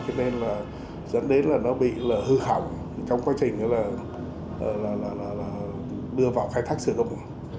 cho nên là dẫn đến là nó bị hư hỏng trong quá trình đưa vào khai thác sử dụng